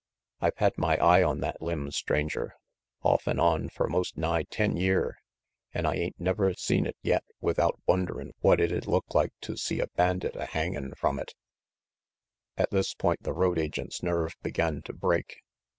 I've had my eye on that limb, Stranger, off an' on fer most nigh ten year, an' I ain't never seen it yet without wonderin' what it'd look like to see a bandit a hangin' from it At this point the road agent's nerve began to break.